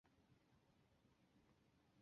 汉属益州弄栋县地。